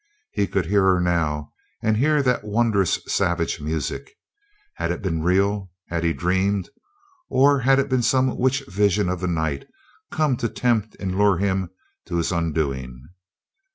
He could hear her now, and hear that wondrous savage music. Had it been real? Had he dreamed? Or had it been some witch vision of the night, come to tempt and lure him to his undoing?